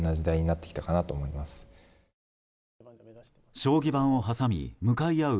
将棋盤を挟み向かい合う